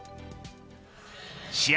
試合